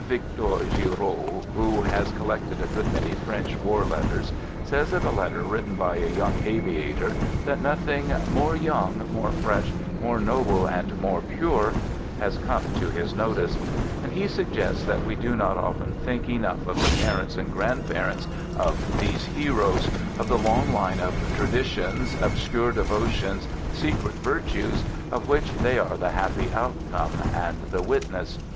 Victor Giraud, who has collected a good many French war letters, says of a letter written by a young aviator that nothing " more young, more fresh, more noble, and more pure " has come to his notice; and he suggests that we do not often think enough of the parents and grandparents of these heroes ; of the long line of " traditions, obscure de votions, secret virtues," of which they are the happy outcome and the witness.